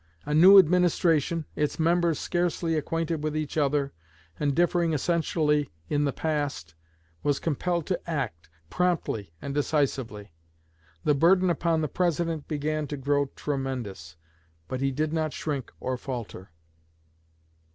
A new Administration, its members scarcely acquainted with each other, and differing essentially in the past, was compelled to act, promptly and decisively." The burden upon the President began to grow tremendous; but he did not shrink or falter.